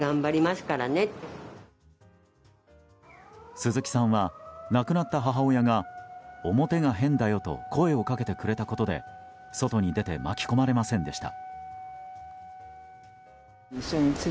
鈴木さんは、亡くなった母親が表が変だよと声をかけてくれたことで外に出て巻き込まれませんでした。